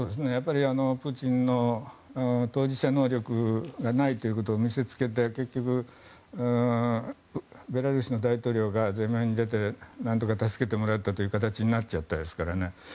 プーチンの当事者能力がないということを見せつけて結局、ベラルーシの大統領が前面に出て何とか助けてもらえたという形になりましたから。